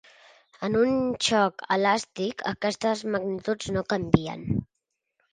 En un xoc elàstic, aquestes magnituds no canvien.